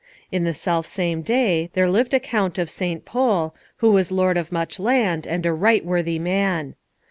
In the self same day there lived a Count of St. Pol, who was lord of much land, and a right worthy man.